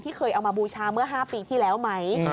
เคยเอามาบูชาเมื่อ๕ปีที่แล้วไหม